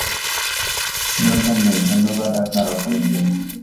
দরকার নেই, ধন্যবাদ আপনার অফারের জন্য।